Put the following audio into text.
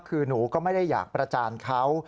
คือหนูก็ไม่ได้อยากประจานเขา